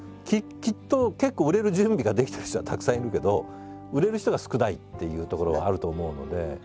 きっと結構売れる準備ができてる人はたくさんいるけど売れる人が少ないっていうところがあると思うので。